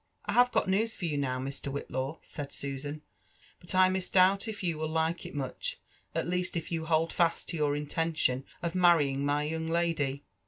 ^' I have got news for you, now, Mr. Whitlaw," said Susan ;'* but I misdoubt if you Will like it muoh ^at least if you hold fast to your intention of marrying my young lady.